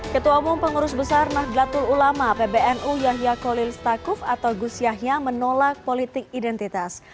ketua umum pengurus besar nahdlatul ulama pbnu yahya kolil stakuf atau gus yahya menolak politik identitas